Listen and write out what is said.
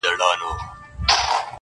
ژونده راسه څو د میني ترانې سه,